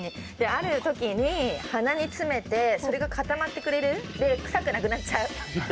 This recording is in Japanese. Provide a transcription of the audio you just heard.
あるときに鼻に詰めてそれがかたまってくれる、臭くなくなっちゃう。